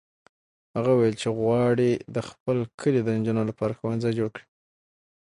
هغه وویل چې غواړي د خپل کلي د نجونو لپاره ښوونځی جوړ کړي.